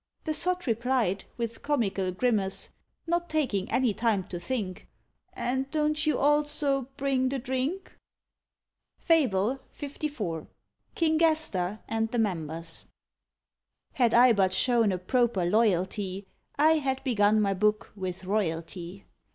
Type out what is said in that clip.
The sot replied, with comical grimace, Not taking any time to think, "And don't you also bring the drink?" FABLE LIV. KING GASTER AND THE MEMBERS. Had I but shown a proper loyalty, I had begun my book with royalty.